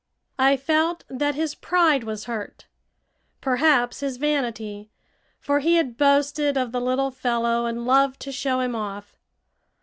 I felt that his pride was hurt, perhaps his vanity; for he had boasted of the little fellow and loved to show him off.